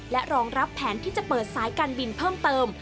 และรองรับแผนที่จะเปิดสายการบินเพิ่มเติม